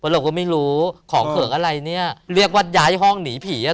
เราก็ไม่รู้ของเขิงอะไรเนี่ยเรียกว่าย้ายห้องหนีผีอ่ะ